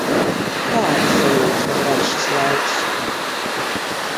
Tādas sajūtas man rada šis laiks.